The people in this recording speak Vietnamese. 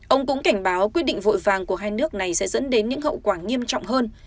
ông cũng cảnh báo quyết định vội vàng của hai nước này sẽ dẫn đến những hậu quả nghiêm trọng hơn